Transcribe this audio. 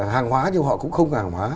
hàng hóa nhưng họ cũng không hàng hóa